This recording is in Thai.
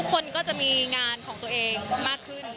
คนก็จะมีงานของตัวเองมากขึ้น